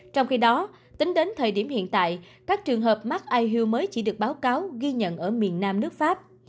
trong khi đó tính đến thời điểm hiện tại các trường hợp mắc aiu mới chỉ được báo cáo ghi nhận ở miền nam nước pháp